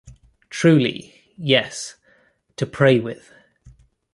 Truly, yes, to pray with.